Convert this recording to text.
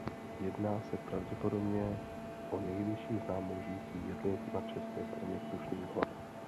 Jedná se pravděpodobně o nejvyšší známou žijící jedli na české straně Krušných hor.